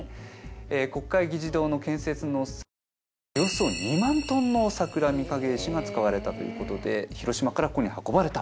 え国会議事堂の建設の際はおよそ２万トンの桜みかげ石が使われたということで広島からここに運ばれた。